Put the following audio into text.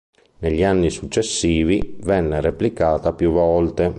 Negli anni successivi, venne replicata più volte.